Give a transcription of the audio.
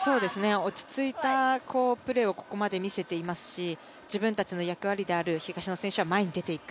落ち着いたプレーをここまで見せていますし自分たちの役割である東野選手は前に出ていく。